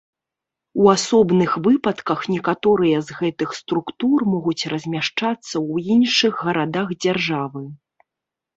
У асобных выпадках некаторыя з гэтых структур могуць размяшчацца ў іншых гарадах дзяржавы.